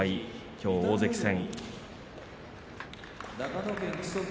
きょうの大関戦。